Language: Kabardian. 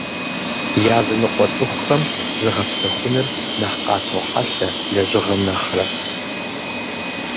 Языныкъуэ цӀыхухэм загъэпсэхуныр нэхъ къатохьэлъэ лэжьыгъэм нэхърэ.